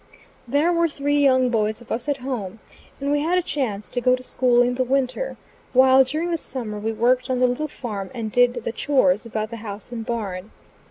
There were three young boys of us at home, and we had a chance to go to school in the winter, while during the summer we worked on the little farm and did the "chores" about the house and barn.